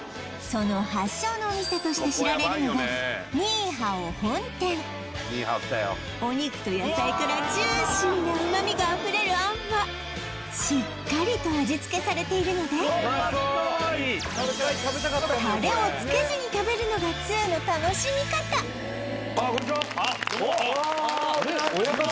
その発祥のお店として知られるのがお肉と野菜からジューシーな旨みがあふれるあんはしっかりと味付けされているのでの楽しみ方ああこんにちは親方